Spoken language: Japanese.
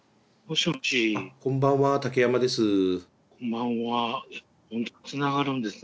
こんばんは竹山です。